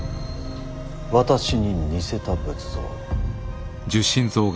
私に似せた仏像を。